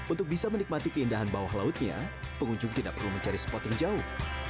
untuk bisa menikmati keindahan bawah lautnya pengunjung tidak perlu mencari spot yang jauh